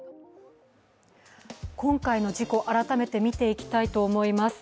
今回の事故、改めて見ていきたいと思います。